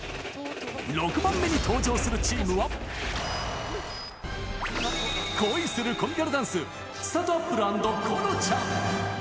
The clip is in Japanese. ６番目に登場するチームは、恋するコミカルダンス、ちさとあっぷる＆このちゃん。